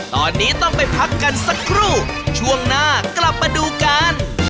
ตอนนี้ต้องไปพักกันสักครู่ช่วงหน้ากลับมาดูกัน